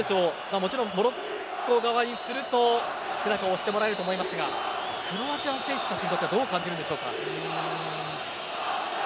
もちろんモロッコ側にすると背中を押してもらえると思いますがクロアチアの選手にとってはどう感じるでしょうか。